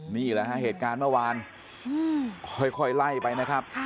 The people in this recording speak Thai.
นี่แหละฮะเหตุการณ์เมื่อวานค่อยไล่ไปนะครับ